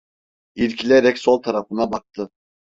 İrkilerek sol tarafına baktı.